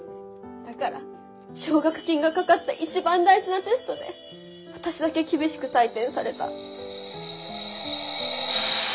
だから奨学金がかかった一番大事なテストで私だけ厳しく採点された。